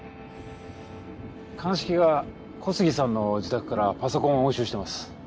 鑑識が小杉さんの自宅からパソコンを押収してます。